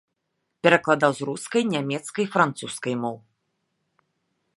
Перакладаў з рускай, нямецкай, французскай моў.